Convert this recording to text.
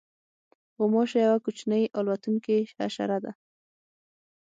غوماشه یوه کوچنۍ الوتونکې حشره ده.